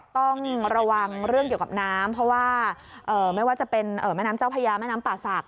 ต้องระวังเรื่องเกี่ยวกับน้ำเพราะว่าไม่ว่าจะเป็นแม่น้ำเจ้าพญาแม่น้ำป่าศักด